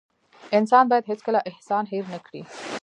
انسان بايد هيڅکله احسان هېر نه کړي .